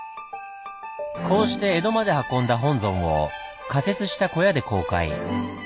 こうして江戸まで運んだ本尊を仮設した小屋で公開。